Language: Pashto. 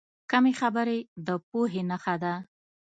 کمې خبرې، د پوهې نښه ده.